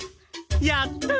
やった！